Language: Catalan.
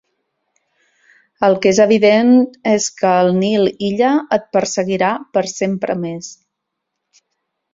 El que és evident és que el Nil Illa et perseguirà per sempre més.